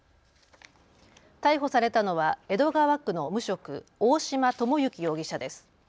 逮捕されたのは江戸川区の無職大島智幸容疑者です。